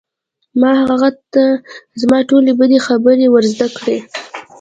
ما هغه ته زما ټولې بدې خبرې ور زده کړې